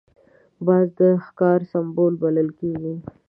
باز د ښکار سمبول بلل کېږي